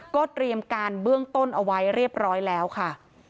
ก็เตรียมการเบื้องต้นเอาไว้เรียบร้อยแล้วค่ะ